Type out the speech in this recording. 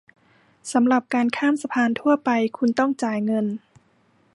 สำหรับการข้ามสะพานทั่วไป คุณต้องจ่ายเงิน